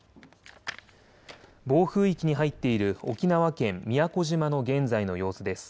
暴風域に入っている沖縄県宮古島の現在の様子です。